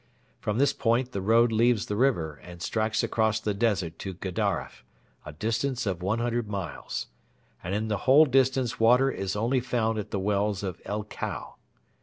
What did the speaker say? From this point the road leaves the river and strikes across the desert to Gedaref, a distance of 100 miles; and in the whole distance water is only found at the wells of El Kau.